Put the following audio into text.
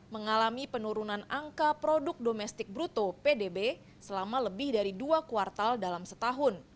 mengalami penurunan angka produk domestik bruto pdb selama lebih dari dua kuartal dalam setahun